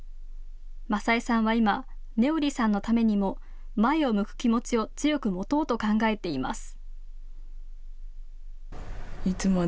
正恵さんは今、音織さんのためにも前を向く気持ちを強く持とうと考えています。